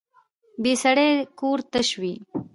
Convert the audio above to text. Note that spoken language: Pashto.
بې سړي کور تش وي